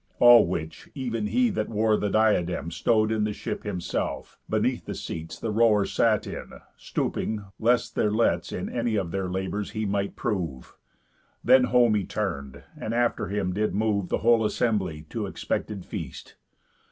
All which ev'n he that wore the diadem Stow'd in the ship himself, beneath the seats The rowers sat in, stooping, lest their lets In any of their labours he might prove. Then home he turn'd, and after him did move The whole assembly to expected feast.